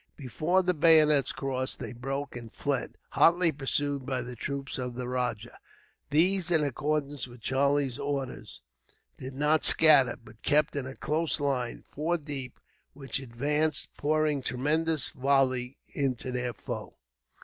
Before the bayonets crossed they broke and fled, hotly pursued by the troops of the rajah. These, in accordance with Charlie's orders, did not scatter, but kept in a close line, four deep, which advanced, pouring tremendous volleys into their foe.